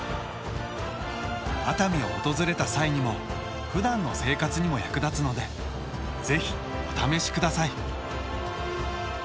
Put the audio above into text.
熱海を訪れた際にもふだんの生活にも役立つので是非お試しください。